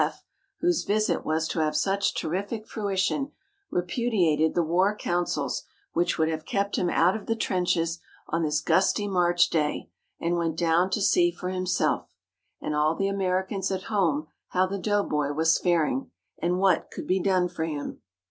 F., whose visit was to have such terrific fruition, repudiated the war counsels which would have kept him out of the trenches on this gusty March day, and went down to see for himself and all the Americans at home how the doughboy was faring, and what could be done for him.